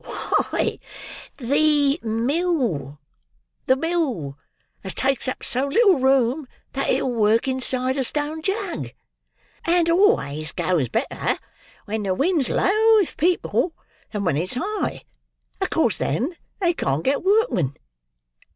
Why, the mill—the mill as takes up so little room that it'll work inside a Stone Jug; and always goes better when the wind's low with people, than when it's high; acos then they can't get workmen.